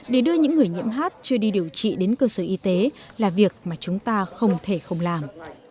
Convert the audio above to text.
để đưa những người nhiễm h chưa đi điều trị đến cơ sở y tế là việc mà chúng ta không thể không làm